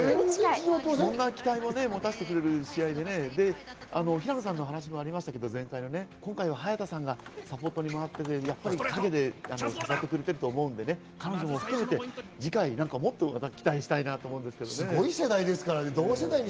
そんな期待も持たせてくれる試合で、平野さんの話がありましたけど、今回、早田さんがサポーターに回ってくれて、陰でやってくれていると思うんで、彼女も含めて、次回、すごい世代ですからね。